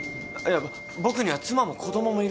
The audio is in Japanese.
僕には妻も子供もいるんです。